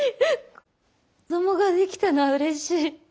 子どもができたのはうれしい。